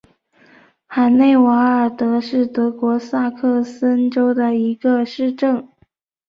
海内瓦尔德是德国萨克森州的一个市镇。